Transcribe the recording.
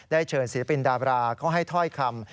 เชิญศิลปินดาบราเข้าให้ถ้อยคำ